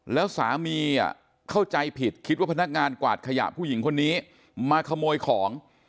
แล้วสามีเข้าใจผิดคิดว่าพนักงานกวาดขยะผู้หญิงคนนี้มาขโมยของ